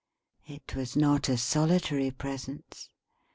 It was not a solitary Presence.